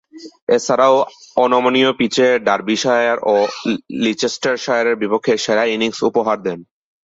এছাড়াও, অনমনীয় পিচে ডার্বিশায়ার ও লিচেস্টারশায়ারের বিপক্ষে সেরা ইনিংস উপহার দেন।